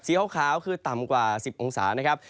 ขาวคือต่ำกว่า๑๐องศานะครับ